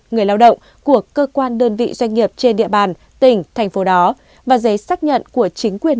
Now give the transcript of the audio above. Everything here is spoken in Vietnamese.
người lao động của cơ quan đơn vị doanh nghiệp trên địa bàn tỉnh thành phố đó và giấy xác nhận của chính quyền